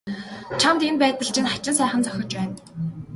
Чамд энэ байдал чинь хачин сайхан зохиж байна.